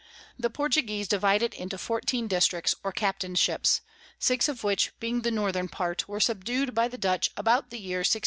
The Portuguese divide it into fourteen Districts or Captainships, six of which, being the Northern part, were subdu'd by the Dutch about the Year 1637.